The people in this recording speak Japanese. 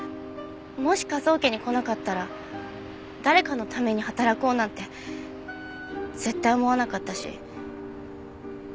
もし科捜研に来なかったら誰かのために働こうなんて絶対思わなかったし。